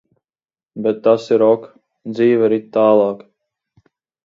Bet tas ir ok. Dzīve rit tālāk.